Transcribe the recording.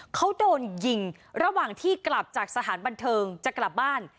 เขาโดนยิงระหว่างที่กลับจากสถานบันเทิงจะกลับบ้าน